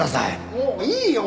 もういいよ！